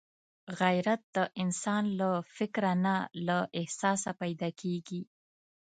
غیرت د انسان له فکره نه، له احساسه پیدا کېږي